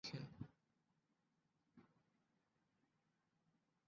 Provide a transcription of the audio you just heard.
দেশিয় সাময়িকী ব্যতীত তিনি বিদেশী বিভিন্ন সাময়িকীতে কলাম লিখেন।